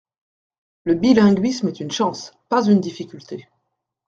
Le bilinguisme est une chance, pas une difficulté.